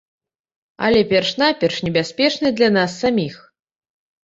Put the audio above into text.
Але перш-наперш небяспечныя для нас саміх.